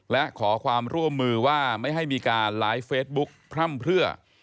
และขอความร่วมมือว่าไม่ให้มีการไลฟ์เฟซบุ๊คพร่ำเพื่อ